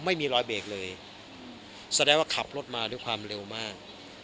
ไม่มีรอยเบรกเลยแสดงว่าขับรถมาด้วยความเร็วมาก